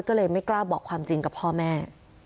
ก็เลยไม่กล้าบอกความจริงกับพ่อแม่